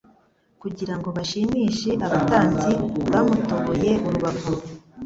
Kugira ngo bashimishe abatambyi bamutoboye urubavu.